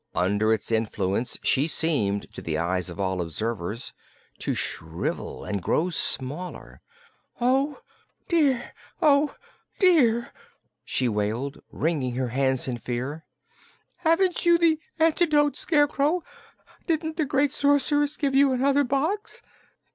Under its influence she seemed to the eyes of all observers to shrivel and grow smaller. "Oh, dear oh, dear!" she wailed, wringing her hands in fear. "Haven't you the antidote, Scarecrow? Didn't the great Sorceress give you another box?"